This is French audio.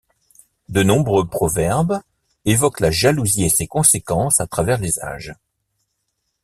De nombreux proverbes évoquent la jalousie et ses conséquences à travers les âges.